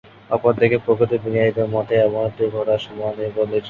অপরদিকে প্রকৃত বিজ্ঞানীদের মতে এমনটি ঘটার সম্ভাবনা নেই বললেই চলে।